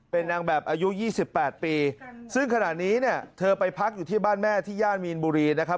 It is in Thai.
เป็นนางแบบอายุ๒๘ปีซึ่งขณะนี้เนี่ยเธอไปพักอยู่ที่บ้านแม่ที่ย่านมีนบุรีนะครับ